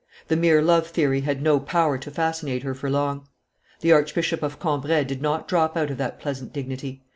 The mere love theory had no power to fascinate her for long. The Archbishop of Cambrai did not drop out of that pleasant dignity.